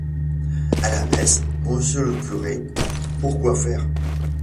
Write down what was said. À la messe, monsieur le curé, pourquoi faire?